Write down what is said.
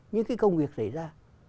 những cái công việc xảy ra